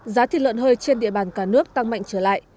giá thịt lợn hơi trên địa bàn cả nước tăng mạnh trở lại